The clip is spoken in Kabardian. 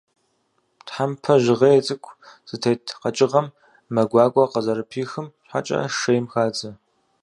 Тхьэмпэ жьгъей цӏыкӏу зытет къэкӏыгъэм мэ гуакӏуэ къызэрыпихым щхьэкӏэ, шейм хадзэ.